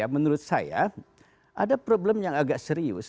menurut saya ada problem yang agak serius